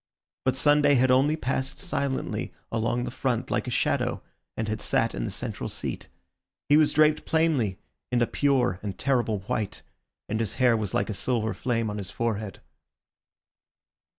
But Sunday had only passed silently along the front like a shadow, and had sat in the central seat. He was draped plainly, in a pure and terrible white, and his hair was like a silver flame on his forehead.